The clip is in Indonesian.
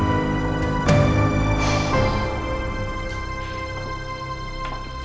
iya mas baik